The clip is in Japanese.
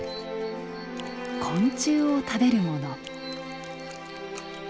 昆虫を食べるもの。